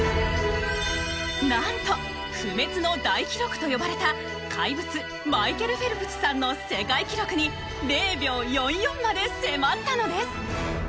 なんと不滅の大記録と呼ばれた怪物マイケル・フェルプスさんの世界記録に０秒４４まで迫ったのです！